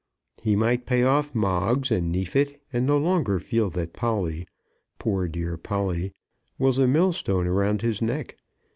He might pay off Moggs and Neefit, and no longer feel that Polly, poor dear Polly, was a millstone round his neck.